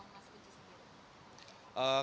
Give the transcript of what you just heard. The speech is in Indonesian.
bagaimana kalau mas kunci sendiri